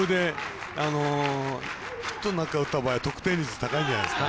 ヒットなんか打った場合は得点率高いんじゃないですか。